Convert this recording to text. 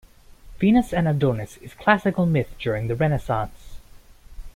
Venus and Adonis is classical myth during the Renaissance.